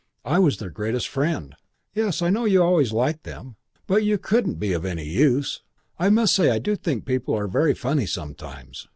"I was their greatest friend." "Yes, I know you always liked them. But you couldn't be of any use. I must say I do think people are very funny sometimes.